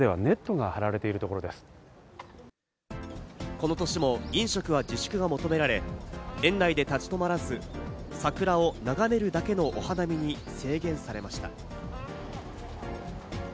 この年も飲食は自粛が求められ、園内で立ち止まらず、桜を眺めるだけのお花見に制限されました。